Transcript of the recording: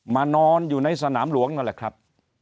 มานอนที่สนามหลวงนั่นแหละครับ